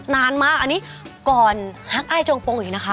นานมากอันนี้ก่อนฮักอ้ายจงปงอีกนะคะ